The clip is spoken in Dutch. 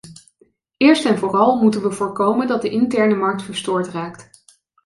Eerst en vooral moeten we voorkomen dat de interne markt verstoord raakt.